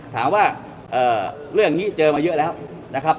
ถามว่าเรื่องนี้เจอมาเยอะแล้วนะครับ